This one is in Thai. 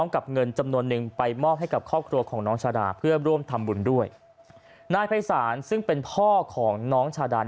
ข้าวครัวของน้องชาดาเพื่อร่วมทำบุญด้วยนายภัยศาลซึ่งเป็นพ่อของน้องชาดา